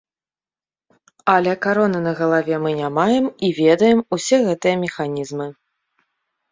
Але кароны на галаве мы не маем і ведаем усе гэтыя механізмы.